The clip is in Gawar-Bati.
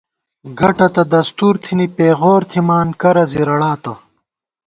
گٹہ تہ دستُور تھنی، پېغور تھِمان کرہ زِرَڑاتہ